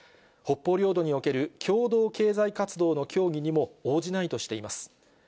北方領土における共同経済活動の協議にも応じないとしています。